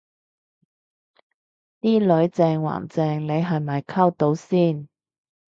啲女正還正你係咪溝到先